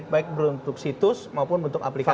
baik untuk situs maupun untuk aplikasi